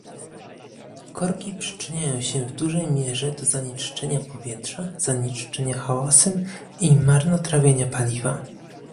Korki przyczyniają się w dużej mierze do zanieczyszczenia powietrza, zanieczyszczenia hałasem i marnotrawienia paliwa